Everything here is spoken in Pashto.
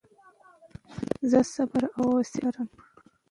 زه صبر او حوصله لرم.